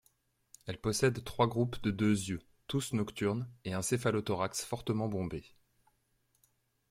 Elles possèdent trois groupes de deux yeux, tous nocturnes, et un céphalothorax fortement bombé.